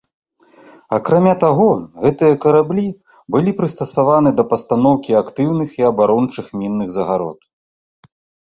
Акрамя таго, гэтыя караблі былі прыстасаваны для пастаноўкі актыўных і абарончых мінных загарод.